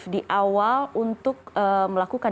di awal untuk melakukan